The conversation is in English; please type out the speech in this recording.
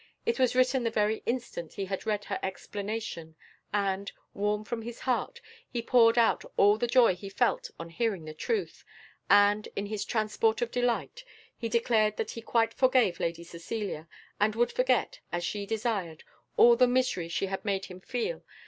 It was written the very instant he had read her explanation, and, warm from his heart, he poured out all the joy he felt on hearing the truth, and, in his transport of delight, he declared that he quite forgave Lady Cecilia, and would forget, as she desired, all the misery she had made him feel.